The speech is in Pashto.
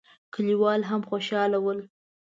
کليوال هم خوشاله ول.